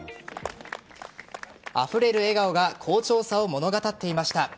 あふれる笑顔が好調さを物語っていました。